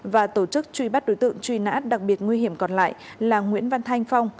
và tổ chức truy bắt đối tượng truy nã đặc biệt nguy hiểm còn lại là nguyễn văn thanh phong